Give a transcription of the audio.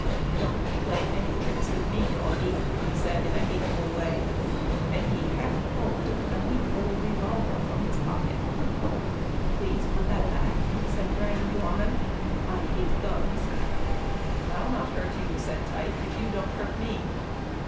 "Don't play any tricks with me, doggie," he said in a hateful way, and he half pulled a neat little revolver from his pocket. "Please put that back," said Granny Gorman, "I hate guns." "I'll not hurt you," said Tike, "if you don't hurt me."